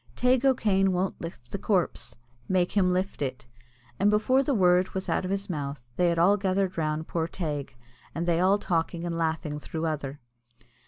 "Teig O'Kane won't lift the corpse make him lift it;" and before the word was out of his mouth they had all gathered round poor Teig, and they all talking and laughing through other.